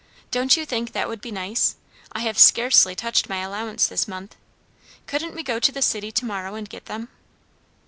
Don't you think that would be nice? I have scarcely touched my allowance this month. Couldn't we go to the city to morrow and get them?"